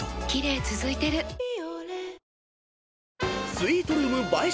［スイートルーム映え